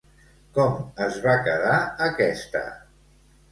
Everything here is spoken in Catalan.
Com es va quedar aquesta?